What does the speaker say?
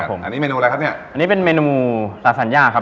ผมอันนี้เมนูอะไรครับเนี่ยอันนี้เป็นเมนูซาสัญญาครับ